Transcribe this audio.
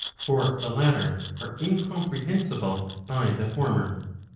For the latter are incomprehensible by the former.